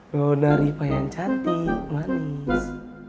nona rifai yang cantik manis